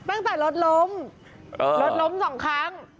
ตั้งแต่รถล้มรถล้มสองครั้ง